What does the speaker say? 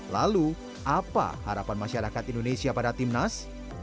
lalu apa harapan masyarakat indonesia pada tim nas